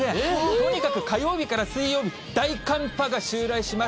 とにかく火曜日から水曜日、大寒波が襲来します。